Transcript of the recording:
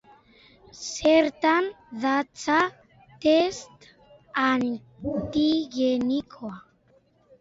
Zertan datza test antigenikoa?